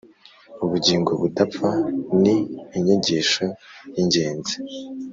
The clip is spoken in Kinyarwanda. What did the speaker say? ubugingo budapfa ni inyigisho y’ingenzi